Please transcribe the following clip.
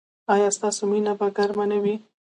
ایا ستاسو مینه به ګرمه نه وي؟